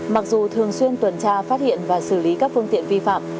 mặc dù thường xuyên tuần tra phát hiện và xử lý các phương tiện vi phạm